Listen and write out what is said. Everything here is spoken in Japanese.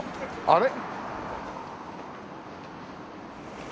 あれ？